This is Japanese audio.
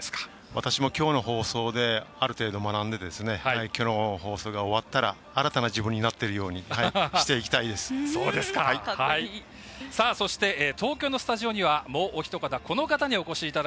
私もきょうの放送である程度、学んできょうの放送が終わったら新たな自分になっているようにそして東京のスタジオにはもうお一方、この方です。